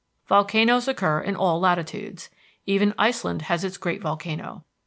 Volcanoes occur in all latitudes. Even Iceland has its great volcano.